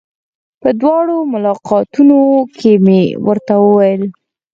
په دواړو ملاقاتونو کې مې ورته وويل.